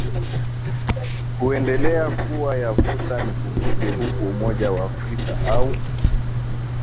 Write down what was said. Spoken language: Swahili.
kuendelea kuwa ya vuta nikuvute huku umoja wa afrika au